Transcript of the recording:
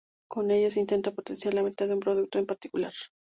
Con ellas, se intenta potenciar la venta de un producto en particular.